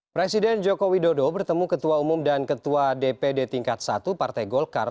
presiden joko widodo bertemu ketua umum dan ketua dpd tingkat satu partai golkar